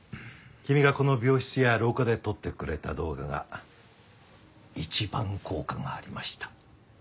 君がこの病室や廊下で撮ってくれた動画が一番効果がありました。